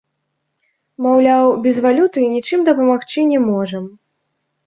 Маўляў, без валюты нічым дапамагчы не можам.